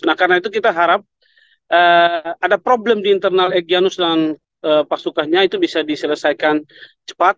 nah karena itu kita harap ada problem di internal egyanus dan pasukannya itu bisa diselesaikan cepat